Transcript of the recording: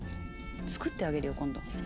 作ってあげるよ今度。